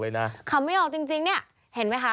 น้องจริงเนี่ยเห็นไหมคะ